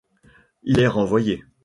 Il est renvoyé.